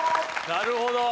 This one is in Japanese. なるほど。